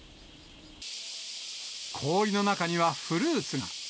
氷の中にはフルーツが。